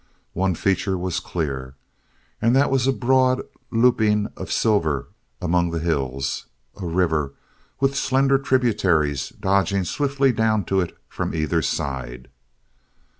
One feature was clear, and that was a broad looping of silver among the hills, a river with slender tributaries dodging swiftly down to it from either side.